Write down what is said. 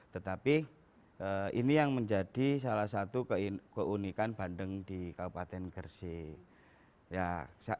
tetapi ini yang menjadi salah satu keunikan bandeng di kabupaten gersik